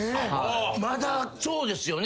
まだそうですよね。